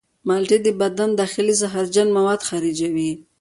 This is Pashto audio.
مالټې د بدن داخلي زهرجن مواد خارجوي.